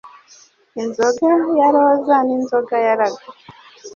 Inzoga ya roza n'inzoga ya lager